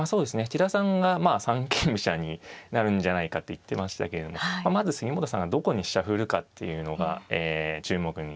千田さんがまあ三間飛車になるんじゃないかと言ってましたけどもまず杉本さんがどこに飛車振るかっていうのがえ注目になりますね。